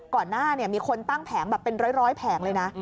ก่อนหน้ามีคนตั้งแผงแบบเป็นร้อยแผงเลยนะ